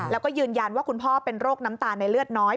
แล้วก็ยืนยันว่าคุณพ่อเป็นโรคน้ำตาลในเลือดน้อย